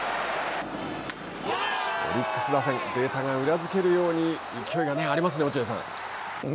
オリックス打線データが裏付けるように勢いかありますね、落合さん。